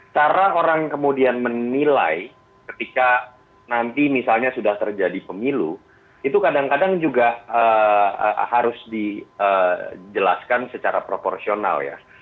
cara orang kemudian menilai ketika nanti misalnya sudah terjadi pemilu itu kadang kadang juga harus dijelaskan secara proporsional ya